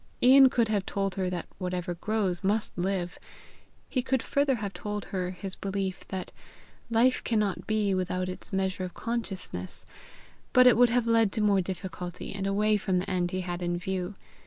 Ian could have told her that whatever grows must live; he could further have told her his belief that life cannot be without its measure of consciousness; but it would have led to more difficulty, and away from the end he had in view.